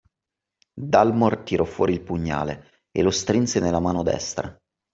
Dalmor tirò fuori il pugnale, e lo strinse nella mano destra